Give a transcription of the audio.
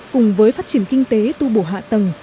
cùng với phát triển kinh tế tu bổ hạ tầng